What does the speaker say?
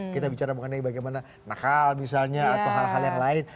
kita bicara mengenai bagaimana nakal misalnya atau hal hal yang lain